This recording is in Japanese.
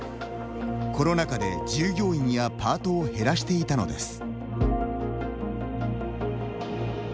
コロナ禍で従業員やパートを減らしていたのです。